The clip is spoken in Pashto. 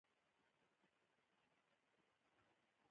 افغانستان د قومونه په برخه کې پوره او لوی نړیوال شهرت لري.